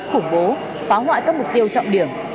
khủng bố phá hoại các mục tiêu trọng điểm